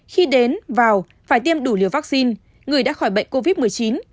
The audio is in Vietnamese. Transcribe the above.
khi đến vào phải tiêm đủ liều vaccine người đã khỏi bệnh covid một mươi chín